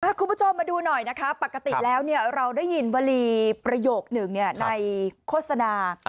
คุณผู้ชมมาดูหน่อยนะคะปกติแล้วเราได้ยินวลีประโยคหนึ่งในโฆษณา